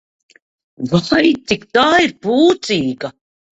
Vai, cik tā ir pūcīga!